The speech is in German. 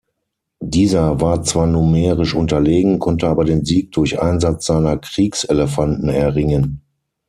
Dieser war zwar numerisch unterlegen, konnte aber den Sieg durch Einsatz seiner Kriegselefanten erringen.